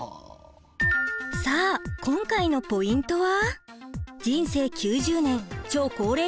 さあ今回のポイントは。